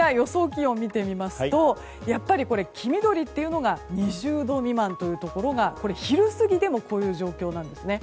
気温を見てみますと黄緑というのが２０度未満というところが昼過ぎでもこういう状況なんです。